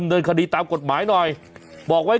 แล้วล่ะกูไม่รู้จักกว่าจะไหวนะครับ